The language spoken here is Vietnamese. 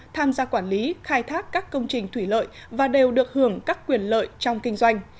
tham gia quản lý khai thác các công trình thủy lợi và đều được hưởng các quyền lợi trong kinh doanh